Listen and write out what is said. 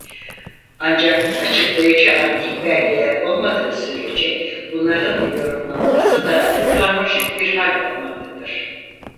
Ancak açıklayıcı antik belgeler olmadığı sürece bunların yorumlanması da karmaşık bir hâl almaktadır.